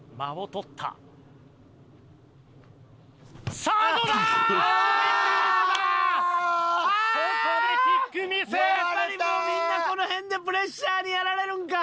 やっぱりもうみんなこの辺でプレッシャーにやられるんか。